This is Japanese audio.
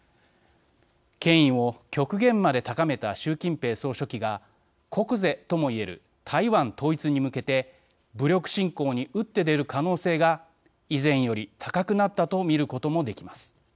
権威を極限まで高めた習近平総書記が国是ともいえる台湾統一に向けて武力侵攻に打って出る可能性が以前より高くなったと見ることもできます。